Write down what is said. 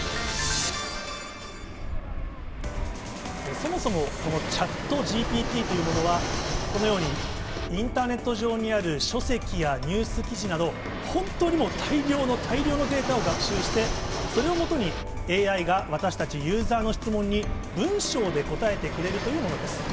そもそもこのＣｈａｔＧＰＴというものは、このようにインターネット上にある書籍やニュース記事など、本当にもう大量の大量のデータを学習して、それを基に、ＡＩが私たちユーザーの質問に文章で答えてくれるというものです。